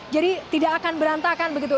jadi tidak akan berantakan begitu